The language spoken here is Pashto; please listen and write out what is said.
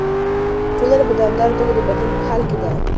ټولنه په دوامداره توګه د بدلون په حال کې ده.